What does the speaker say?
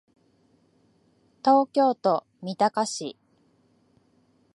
東京都三鷹市